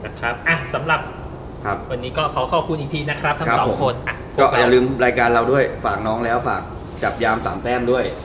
ได้คุยประสบการณ์ที่เราอาจจะไม่